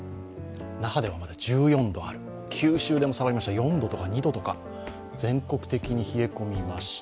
那覇では１４度ある、九州でも下がりました、４度とか２度とか、全国的に冷え込みました。